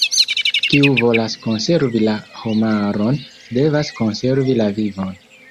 Kiu volas konservi la homaron, devas konservi la vivon.